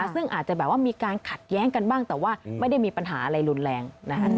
ซึ่งอาจจะแบบว่ามีการขัดแย้งกันบ้างแต่ว่าไม่ได้มีปัญหาอะไรรุนแรง